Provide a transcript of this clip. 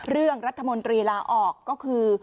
เรื่องรัฐมนตรีลาออกก็คือ